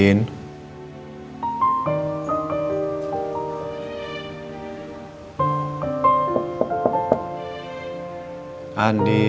kenapa andin udah tidur sih